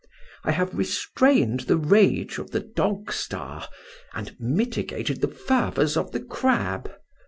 I have restrained the rage of the dog star, and mitigated the fervours of the crab.